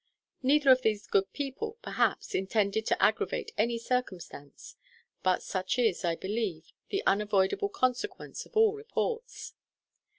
Neither of these good people, perhaps, intended to aggravate any circumstance; but such is, I believe, the unavoidable consequence of all reports.